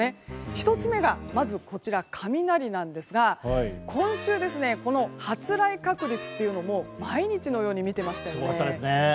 １つ目が雷なんですが今週、発雷確率というのを毎日のように見ていましたよね。